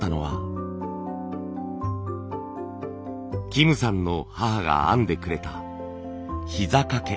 キムさんの母が編んでくれたひざかけ。